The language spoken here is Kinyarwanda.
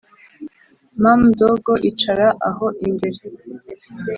Mamdogo icara aho imbere